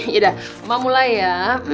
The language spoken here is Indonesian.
yaudah mama mulai ya